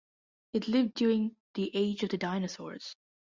It lived during 'the age of the dinosaurs'.